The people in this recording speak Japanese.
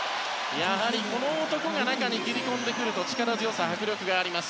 この男が中に切り込んで来ると力強さ、迫力があります。